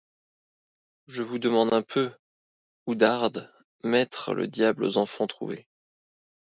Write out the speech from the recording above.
Je vous demande un peu, Oudarde, mettre le diable aux enfants trouvés!